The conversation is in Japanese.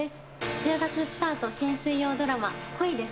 １０月スタート新水曜ドラマ、恋です！